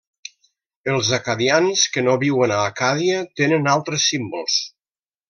Els acadians que no viuen a Acàdia tenen altres símbols.